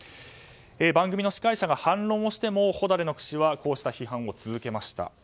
番組の司会者が反論してもホダレノク氏はこうした批判を続けました。